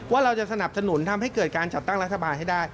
ว่าเราจะสนับสนุนทำให้เกิดการจัดตั้งรัฐบาลให้ได้